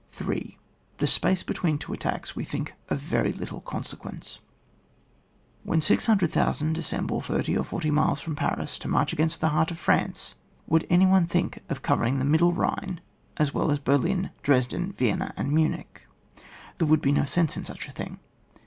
3. The space between two attacks we think of very little consequence. When 600,000 assemble thirty or forty milee from Paris to march against the heart of France, would any one think of covering the middle Bhine as well as Berlin, Dresden, Vienna, and Munich? There would be no sense in such a thing.